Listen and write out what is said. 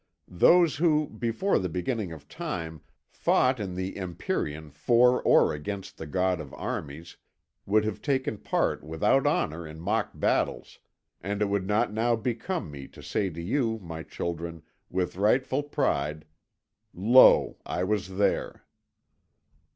Those who, before the beginning of Time, fought in the Empyrean for or against the God of Armies, would have taken part without honour in mock battles, and it would not now become me to say to you, my children, with rightful pride: "'Lo, I was there!'